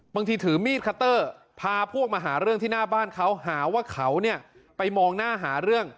ถือมีดคัตเตอร์พาพวกมาหาเรื่องที่หน้าบ้านเขาหาว่าเขาเนี่ยไปมองหน้าหาเรื่อง